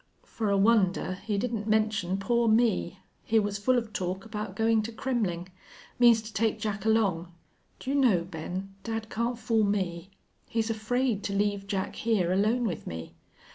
"For a wonder he didn't mention poor me. He was full of talk about going to Kremmling. Means to take Jack along. Do you know, Ben, dad can't fool me. He's afraid to leave Jack here alone with me.